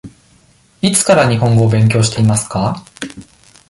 いつから日本語を勉強していますか。